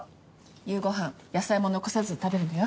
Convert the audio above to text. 夕ごはん野菜も残さずに食べるのよ。